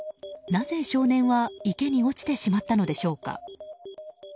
なぜ少年は池に落ちてしまったのでしょうか。